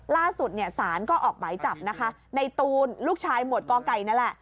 ล่าสุดเนี่ยสารก็ออกหมายจับนะคะในตูนลูกชายหมวดกไก่นั่นแหละ